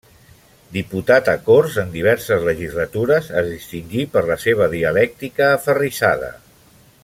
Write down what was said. Diputat a Corts en diverses legislatures, es distingí per la seva dialèctica aferrissada.